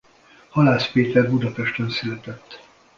Halász Péter Budapesten született.